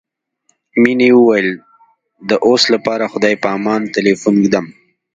مينې وويل د اوس لپاره خدای په امان ټليفون ږدم.